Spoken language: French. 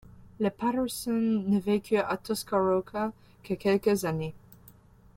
Les Patterson ne vécurent à Tuscaroca que quelques années.